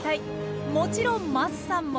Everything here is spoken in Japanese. もちろん桝さんも。